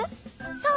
そう。